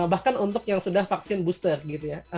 bahkan untuk yang sudah vaksin booster gitu ya